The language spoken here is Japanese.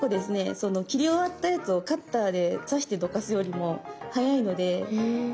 その切り終わったやつをカッターで刺してどかすよりも速いのでオススメです。